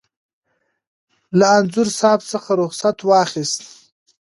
له انځور صاحب څخه رخصت واخیست.